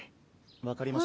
分かりました。